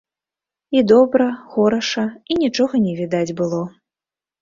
І добра, хораша, і нічога не відаць было.